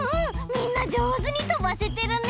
みんなじょうずにとばせてるね。